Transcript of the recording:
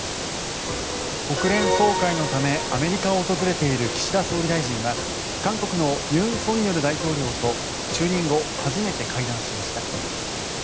国連総会のためアメリカを訪れている岸田総理大臣は韓国の尹錫悦大統領と就任後初めて会談しました。